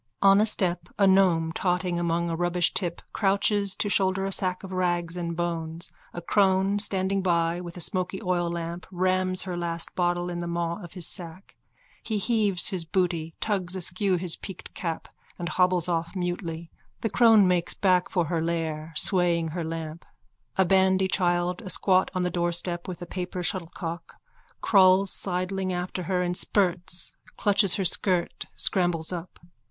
On a step a gnome totting among a rubbishtip crouches to shoulder a sack of rags and bones. A crone standing by with a smoky oillamp rams her last bottle in the maw of his sack. He heaves his booty, tugs askew his peaked cap and hobbles off mutely. The crone makes back for her lair, swaying her lamp. A bandy child, asquat on the doorstep with a paper shuttlecock, crawls sidling after her in spurts, clutches her skirt, scrambles up.